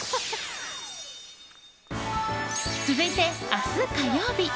続いて明日、火曜日。